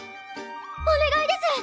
お願いです！